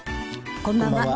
こんばんは。